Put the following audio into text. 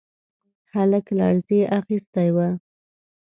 هلک لړزې اخيستی و.